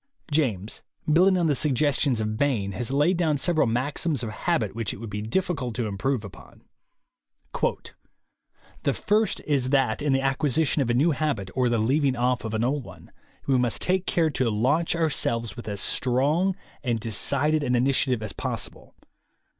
James, building on the suggestions of Bain, has laid down several maxims of habit which it would be difficult to improve upon : "The first is that in the acquisition of a new habit, or the leaving off of an old one, we must take care to launch ourselves with as strong and de cided an initiative as possible.